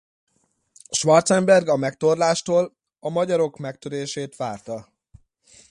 Schwarzenberg a megtorlástól a magyarok megtörését várta.